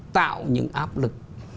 tạo những áp lực